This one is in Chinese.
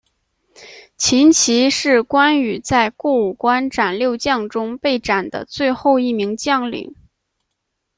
秦琪是关羽在过五关斩六将中被斩的最后一名将领。